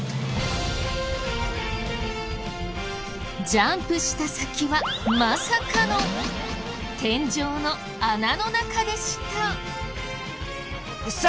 ジャンプした先はまさかの天井の穴の中でした。